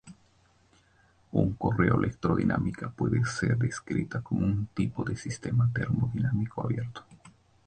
Una correa electrodinámica puede ser descrita como un tipo de sistema termodinámico abierto.